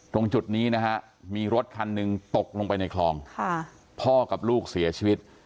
ตรงจุดนี้นะฮะมีรถคันหนึ่งตกลงไปในคลองพ่อกับลูกเสียชีวิต